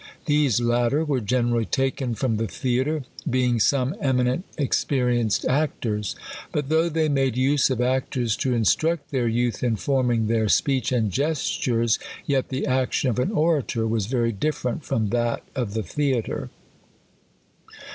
These latter were generally taken from the theatre, being some eminent experienced actors. But though they made use of actors to instruct their youth in form ing their speech and gestures; yet the action ofao or ator was very different from that 6f the theatre.